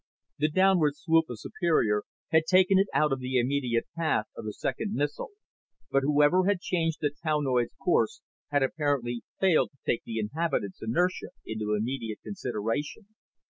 The downward swoop of Superior had taken it out of the immediate path of the second missile, but whoever had changed the townoid's course had apparently failed to take the inhabitants' inertia into immediate consideration.